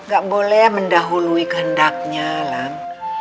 gak boleh mendahului kehendaknya lah